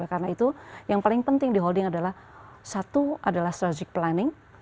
karena itu yang paling penting di holding adalah satu adalah strategic planning